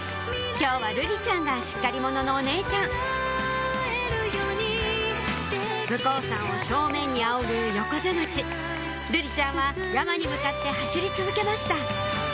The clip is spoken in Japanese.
今日は瑠璃ちゃんがしっかり者のお姉ちゃん武甲山を正面に仰ぐ横瀬町瑠璃ちゃんは山に向かって走り続けました